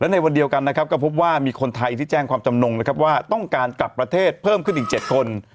ในวันเดียวกันนะครับก็พบว่ามีคนไทยที่แจ้งความจำนงนะครับว่าต้องการกลับประเทศเพิ่มขึ้นอีก๗คน